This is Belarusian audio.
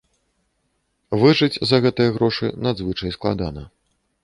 Выжыць за гэтыя грошы надзвычай складана.